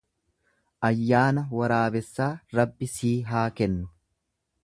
Ayyaana Waraabessaa Rabbi sii haa kennu.